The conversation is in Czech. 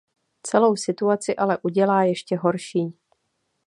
Celou situaci ale udělá ještě horší.